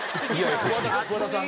桑田さんの。